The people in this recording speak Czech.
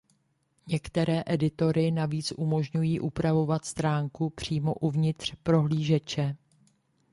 Některé editory navíc umožňují upravovat stránku přímo uvnitř prohlížeče.